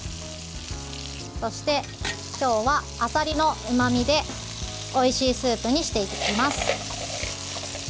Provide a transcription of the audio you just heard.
そして今日はあさりのうまみでおいしいスープにしていきます。